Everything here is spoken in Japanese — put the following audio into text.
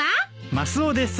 マスオです。